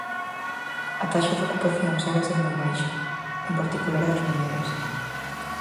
A taxa de ocupación segue a ser moi baixa, en particular a das mulleres.